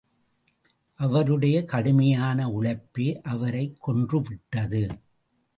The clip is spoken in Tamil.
அவருடைய கடுமையான உழைப்பே அவரைக் கொன்றுவிட்டது.